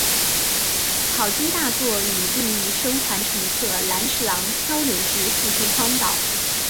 草间大作与另一生还乘客岚十郎漂流至附近荒岛。